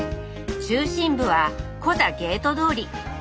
中心部はコザゲート通り。